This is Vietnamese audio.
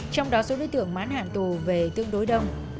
trong đó số đối tượng mãn hạn tù về tương đối đông